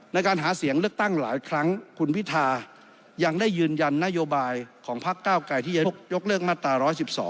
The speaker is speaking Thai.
ในการหาเสียงเลือกตั้งหลายครั้งคุณพิทายังได้ยืนยันนโยบายของพักเก้าไกรที่จะยกเลิกมาตรา๑๑๒